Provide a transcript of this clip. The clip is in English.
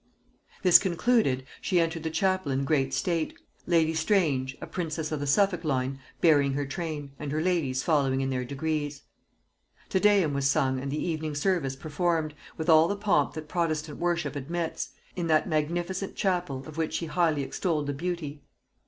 This concluded, she entered the chapel in great state; lady Strange, a princess of the Suffolk line, bearing her train, and her ladies following in their degrees. Te Deum was sung and the evening service performed, with all the pomp that protestant worship admits, in that magnificent temple, of which she highly extolled the beauty.